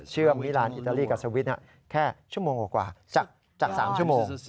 มิลานอิตาลีกับสวิตช์แค่ชั่วโมงกว่าจาก๓ชั่วโมง